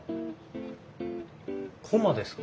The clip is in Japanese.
コマですか？